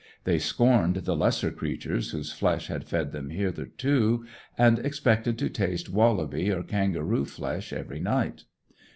They scorned the lesser creatures whose flesh had fed them hitherto, and expected to taste wallaby or kangaroo flesh every night.